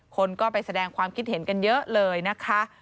คนก็ไปแสดงความคิดเห็นกันเยอะเลยนะคะ